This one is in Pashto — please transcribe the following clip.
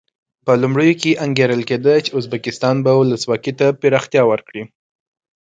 په لومړیو کې انګېرل کېده چې ازبکستان به ولسواکي ته پراختیا ورکړي.